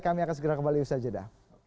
kami akan segera kembali usaha jeda